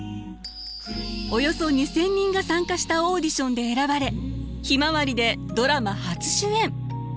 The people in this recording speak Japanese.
およそ２，０００人が参加したオーディションで選ばれ「ひまわり」でドラマ初主演。